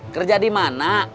kerja di mana